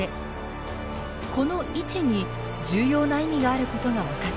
この位置に重要な意味があることが分かってきました。